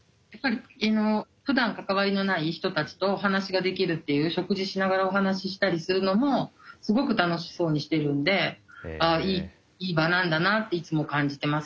ふだん関わりのない人たちとお話ができるっていう食事しながらお話ししたりするのもすごく楽しそうにしてるんでああいい場なんだなっていつも感じてます。